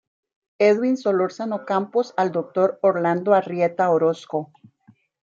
Edwin Solórzano Campos al Dr. Orlando Arrieta Orozco